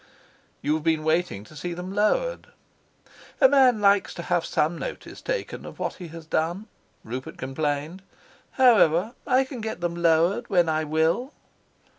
"You've been waiting to see them lowered?" "A man likes to have some notice taken of what he has done," Rupert complained. "However, I can get them lowered when I will."